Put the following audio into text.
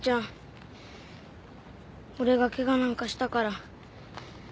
俺がケガなんかしたから。